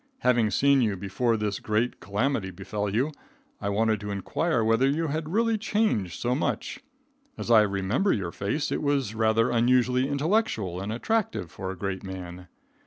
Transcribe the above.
Having seen you before this great calamity befell you, I wanted to inquire whether you had really changed so much. As I remember your face, it was rather unusually intellectual and attractive for a great man.